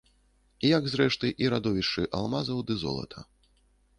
Як, зрэшты, і радовішчы алмазаў ды золата.